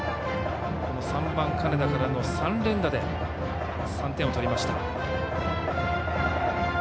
３番の金田からの３連打で３点を取りました。